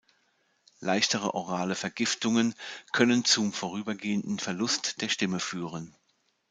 Leichtere orale Vergiftungen können zum vorübergehenden Verlust der Stimme führen.